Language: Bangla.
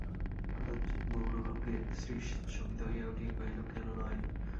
হঠাৎ মৌনভঙ্গে শ্রীশ চকিত হইয়া উঠিয়া কহিল, কেন নয়?